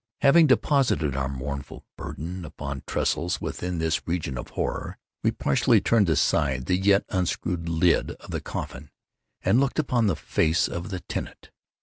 Having deposited our mournful burden upon tressels within this region of horror, we partially turned aside the yet unscrewed lid of the coffin, and looked upon the face of the tenant.